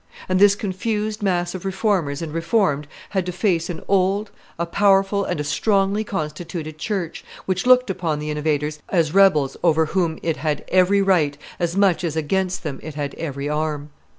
And this confused mass of Reformers and Reformed had to face an old, a powerful, and a strongly constituted church, which looked upon the innovators as rebels over whom it had every right as much as against them it had every arm.